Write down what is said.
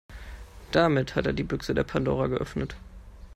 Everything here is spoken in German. Damit hat er die Büchse der Pandora geöffnet.